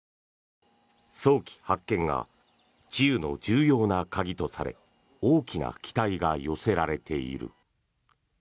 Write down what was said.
早期発見が治癒の重要な鍵とされ大きな期待が寄せられている。